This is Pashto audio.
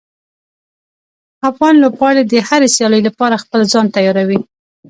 افغان لوبغاړي د هرې سیالۍ لپاره خپل ځان تیاروي.